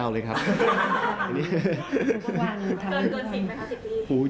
เกินเกิน๔๐ปี